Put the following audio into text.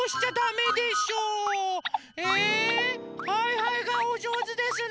えはいはいがおじょうずですね。